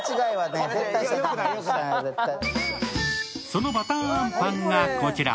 そのばたーあんパンがこちら。